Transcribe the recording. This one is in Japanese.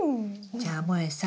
じゃあもえさん